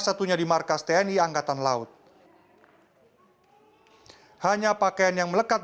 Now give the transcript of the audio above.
kebetulan bagi warga entrop yang rumahnya di bakar